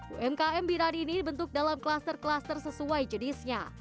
umkm binaan ini dibentuk dalam klaster klaster sesuai jenisnya